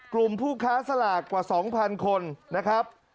กลุ่มผู้ค้าสลากกว่า๒๐๐คนนะครับ